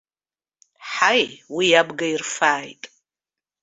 Ҳаи, уи абга ирфааит!